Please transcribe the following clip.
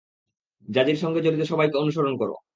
জাজির সাথে জড়িত সবাইকে অনুসরণ কর।